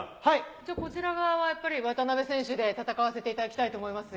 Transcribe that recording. じゃあこちら側は、やっぱり渡辺選手で戦わせていただきたいと思いますよ。